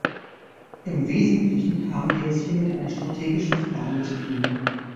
Im Wesentlichen haben wir es hier mit einer strategischen Frage zu tun.